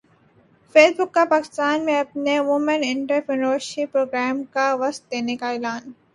face بک کا پاکستان میں اپنے وومن انٹرپرینیورشپ پروگرام کو وسعت دینے کا اعلان